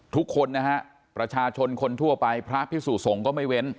ทุกคนนะฮะประชาชนคนทั่วไปพระพิสุสงฆ์ก็ไม่เว้น